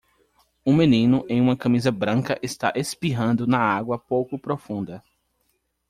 Um menino em uma camisa branca está espirrando na água pouco profunda.